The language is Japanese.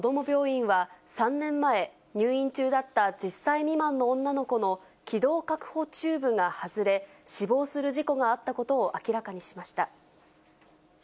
病院は、３年前、入院中だった１０歳未満の女の子の気道確保チューブが外れ、死亡する事故があったことを明らかにしました。